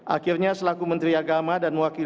akhirnya selaku menteri agama dan menteri perintah